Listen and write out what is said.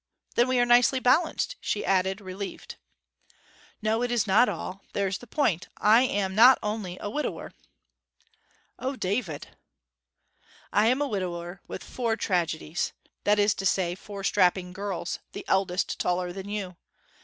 then we are nicely balanced,' she added, relieved. 'No it is not all. There's the point. I am not only a widower.' 'O, David!' 'I am a widower with four tragedies that is to say, four strapping girls the eldest taller than you.